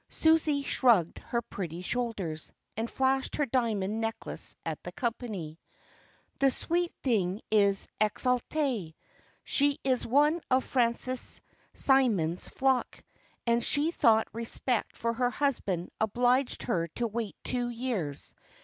Susie shrugged her pretty shoulders, and flashed her diamond necklace at the company. "The sweet thing is exaltée. She is one of Francis Symeon's flock; and she thought respect for her husband obliged her to wait two years.